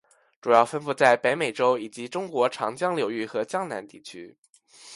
主要分布在北美洲以及中国长江流域和江南地区。